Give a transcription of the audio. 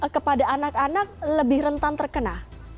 kepada anak anak lebih rentan terkena